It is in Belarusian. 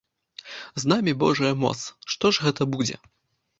З намі божая моц, што ж гэта будзе?